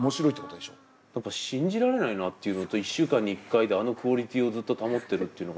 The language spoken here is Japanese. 信じられないなっていうのと１週間に１回であのクオリティーをずっと保ってるっていうのが。